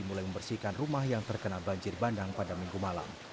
mulai membersihkan rumah yang terkena banjir bandang pada minggu malam